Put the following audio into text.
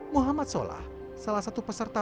muhammad solah salah satu peserta